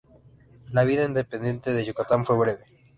La vida independiente de Yucatán fue breve.